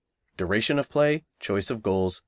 Duration of Play. Choice of Goals.